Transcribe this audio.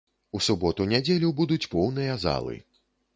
У суботу-нядзелю будуць поўныя залы.